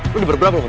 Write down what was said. lo diberberap lo kan